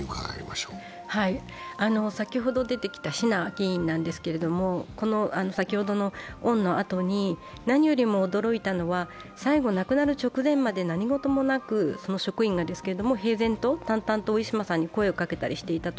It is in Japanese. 先ほど出てきた階議員なんですけど、先ほどのオンのあとに、何よりも驚いたのは、最後亡くなる直前まで職員が平然と淡々とウィシュマさんに声をかけていたと。